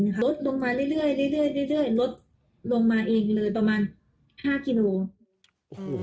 ลดลงมาเรื่อยลดลงมาเองเลยประมาณ๕กิโลกรัม